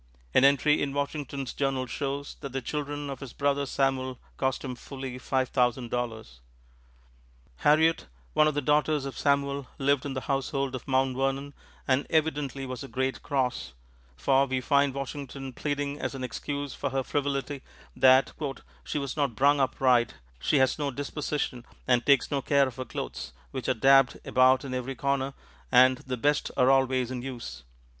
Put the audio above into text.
An entry in Washington's journal shows that the children of his brother Samuel cost him fully five thousand dollars. Harriot, one of the daughters of Samuel, lived in the household at Mount Vernon and evidently was a great cross, for we find Washington pleading as an excuse for her frivolity that "she was not brung up right, she has no disposition, and takes no care of her clothes, which are dabbed about in every corner, and the best are always in use.